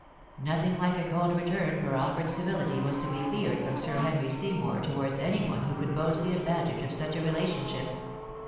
Nothing hke a cold return for offered civihty was to be feared from Sir Henry Seymour towards any one who could boast the advantage of such a relationship.